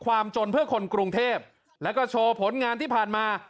ความจนเพื่อคนกรุงเทพแล้วก็โชว์ผลงานที่ผ่านมา